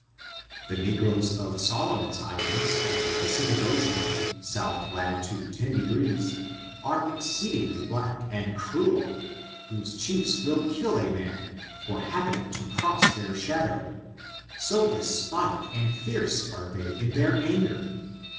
The negroes of Solomon's Islands, in the Pacific Ocean, south latitude 1(P, are exceedingly black and cruel; whose chiefs will kill a man, for happening to cross their shadow, so despotic and fierce are they in their anger.